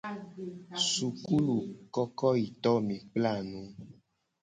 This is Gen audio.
Sukulukokoyitowo mi kpla nu.